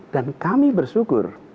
dan kami bersyukur